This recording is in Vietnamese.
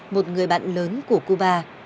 một người bạn lớn của cuba